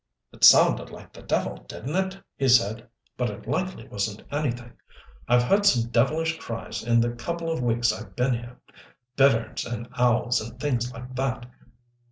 "It sounded like the devil, didn't it?" he said. "But it likely wasn't anything. I've heard some devilish cries in the couple of weeks I've been here bitterns and owls and things like that.